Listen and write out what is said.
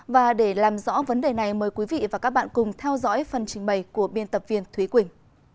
và để làm rõ vấn đề này mời quý vị và các bạn cùng theo dõi phần trình bày của biên tập viên thúy quỳnh